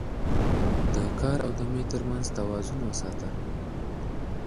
د کار او دمې ترمنځ توازن وساته